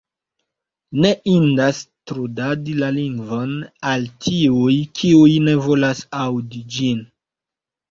Ne indas trudadi la lingvon al tiuj, kiuj ne volas aŭdi pri ĝi.